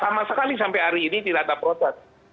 sama sekali sampai hari ini tidak ada protes